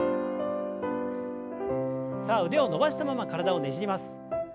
さあ腕を伸ばしたまま体をねじります。